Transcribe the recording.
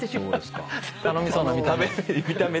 頼みそうな見た目。